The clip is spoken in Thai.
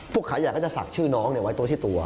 ขายใหญ่ก็จะศักดิ์ชื่อน้องไว้ตัวที่ตัว